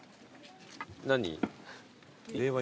何？